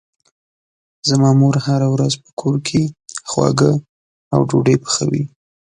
زما مور هره ورځ په کور کې خواږه او ډوډۍ پخوي.